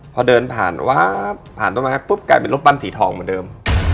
พอเดินผ่านต้นไม้ปุ๊บกลายเป็นรูปปั้นสีทองเหมือนเดิม